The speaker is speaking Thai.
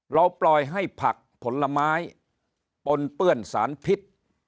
ปล่อยให้ผักผลไม้ปนเปื้อนสารพิษ